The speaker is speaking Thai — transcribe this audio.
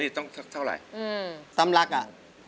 ร้องได้ให้ร้อง